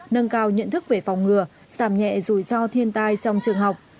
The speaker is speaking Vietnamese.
nâng cao nhận thức về phòng ngừa giảm nhẹ rủi ro thiên tai trong trường học